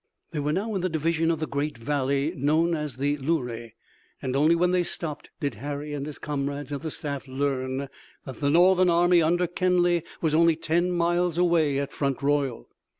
They were now in the division of the great valley known as the Luray, and only when they stopped did Harry and his comrades of the staff learn that the Northern army under Kenly was only ten miles away at Front Royal.